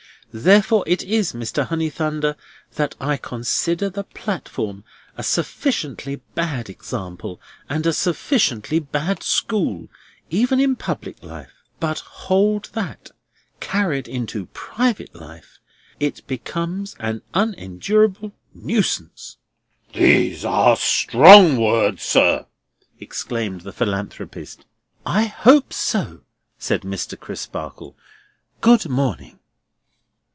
Therefore it is, Mr. Honeythunder, that I consider the platform a sufficiently bad example and a sufficiently bad school, even in public life; but hold that, carried into private life, it becomes an unendurable nuisance." "These are strong words, sir!" exclaimed the Philanthropist. "I hope so," said Mr. Crisparkle. "Good morning."